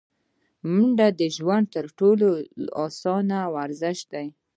منډه د ژوند تر ټولو اسانه ورزش دی